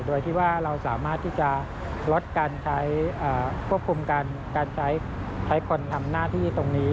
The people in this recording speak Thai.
โดยที่ว่าเราสามารถที่จะลดการใช้ควบคุมการใช้คนทำหน้าที่ตรงนี้